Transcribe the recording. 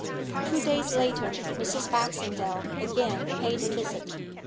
Two days later Mrs. Baxendale again paid a visit.